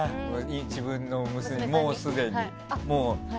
自分の娘に、もうすでに。